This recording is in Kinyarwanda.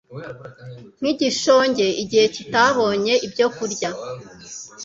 nk’igishonje igihe kitabonye ibyokurya.